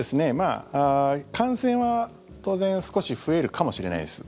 感染は当然少し増えるかもしれないです。